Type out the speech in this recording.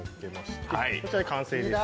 こちらで完成です。